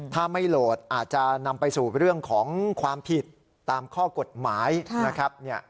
ถ้าไม่โหลดอาจจะนำไปสู่เรื่องของความผิดตามข้อกฎหมายนะครับ